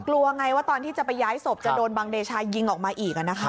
กลัวไงว่าตอนที่จะไปย้ายศพจะโดนบังเดชายิงออกมาอีก